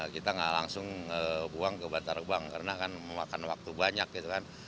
kita nggak langsung buang ke bantarbang karena kan memakan waktu banyak gitu kan